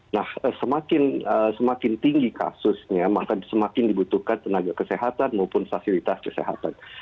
nah semakin tinggi kasusnya maka semakin dibutuhkan tenaga kesehatan maupun fasilitas kesehatan